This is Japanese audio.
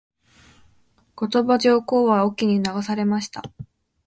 後鳥羽上皇は隠岐に流されました。